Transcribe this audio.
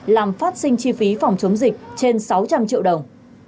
làm phát sinh chi phí phòng chống dịch trên sáu trăm linh triệu đồng